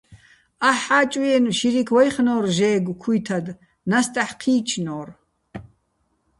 აჰ̦ ჰ̦ა́ჭვიენო̆, შირიქ ვაჲხნო́რ ჟე́გო̆ ქუჲთად, ნასტ აჰ̦ ჴი́ჩნორ.